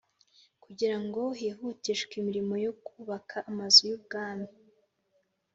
kugira ngo hihutishwe imirimo yo kubaka Amazu y Ubwami